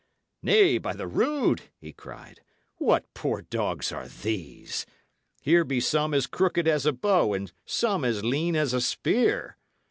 "Nay, by the rood!" he cried, "what poor dogs are these? Here be some as crooked as a bow, and some as lean as a spear.